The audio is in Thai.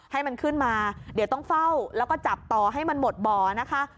ให้มันขึ้นมาเดี๋ยวต้องเฝ้าแล้วก็จับต่อให้มันหมดบ่อนะคะ